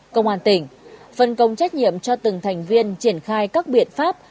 công an tỉnh phân công trách nhiệm cho từng thành viên triển khai các biện pháp